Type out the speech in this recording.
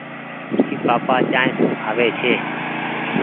اي پآپآ چآنه سون کآوي ڇي۔